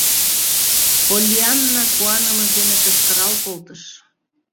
Поллианна куанымыж дене кычкырал колтыш: